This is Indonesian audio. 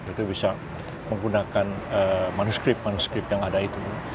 itu bisa menggunakan manuskrip manskrip yang ada itu